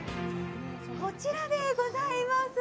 こちらでございます